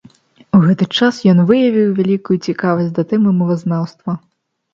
У гэты час ён выявіў вялікую цікавасць да тэмы мовазнаўства.